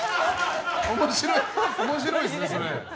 面白いですね、それ。